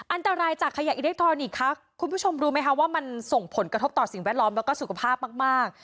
อันตรายจากขยะอิเล็กทรอนิกส์ค่ะคุณผู้ชมรู้ไหมคะว่ามันส่งผลกระทบต่อสิ่งแวดล้อมแล้วก็สุขภาพมาก